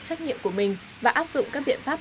trách nhiệm của mình và áp dụng các biện pháp